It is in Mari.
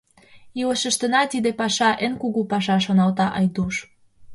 Илышыштына тиде паша — эн кугу паша», — шоналта Айдуш.